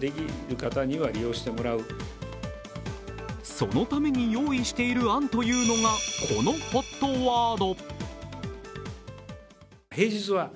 そのために用意している案というのがこのＨＯＴワード。